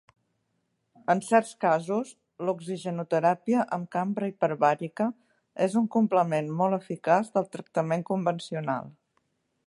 En certs casos, l'oxigenoteràpia amb cambra hiperbàrica és un complement molt eficaç del tractament convencional.